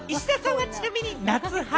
石田さんはちなみに夏派？